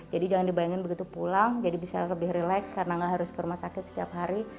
jadi jangan dibayangin begitu pulang jadi bisa lebih relax karena gak harus ke rumah sakit setiap hari